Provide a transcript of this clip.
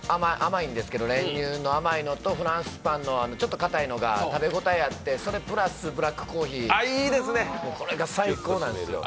練乳の甘いのとフランスパンのちょっとかたいのが食べ応えがあってそれプラスブラックコーヒー、これが最高なんですよ。